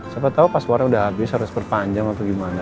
siapa tau paspornya udah habis harus berpanjang atau gimana